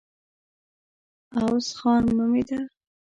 عوض خان نومېده.